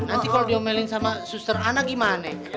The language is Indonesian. nanti kalau diomelin sama suster anak gimana